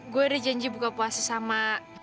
gue ada janji buka puasa sama